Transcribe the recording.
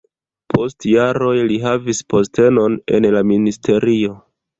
Post jaroj li havis postenon en la ministerio.